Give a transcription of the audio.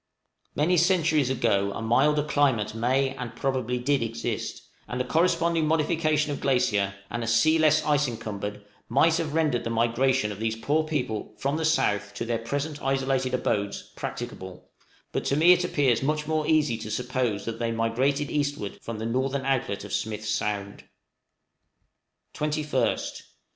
Many centuries ago a milder climate may and probably did exist, and a corresponding modification of glacier and a sea less ice encumbered might have rendered the migration of these poor people from the south to their present isolated abodes practicable; but to me it appears much more easy to suppose that they migrated eastward from the northern outlet of Smith's Sound. _21st.